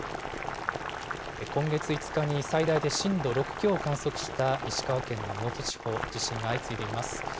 今月５日に最大で震度６強を観測した石川県の能登地方、地震が相次いでいます。